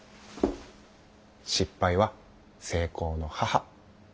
「失敗は成功の母」。